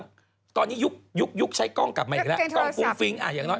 นำไปให้บอกว่า